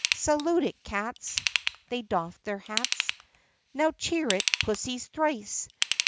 Salute it, cats! (They doff their hats.) Now cheer it, pussies, thrice!